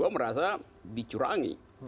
dua merasa dicurangi